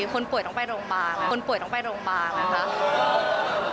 คนป่วยต้องไปโรงพยาบาลคนป่วยต้องไปโรงพยาบาลนะคะ